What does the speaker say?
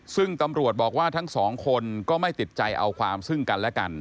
ซึ่งตำรวจบอกว่าทั้งสองคนก็ไม่ติดใจเอาความซึ่งกันและกัน